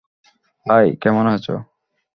High, কেমন আছো?